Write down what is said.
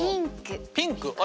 ピンク。